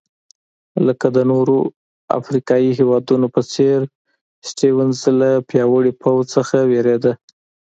لکه د نورو افریقایي هېوادونو په څېر سټیونز له پیاوړي پوځ څخه وېرېده.